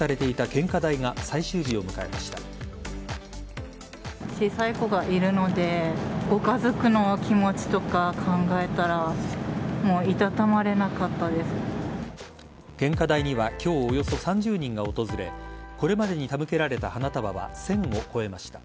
献花台には今日、およそ３０人が訪れこれまでに手向けられた花束は１０００を超えました。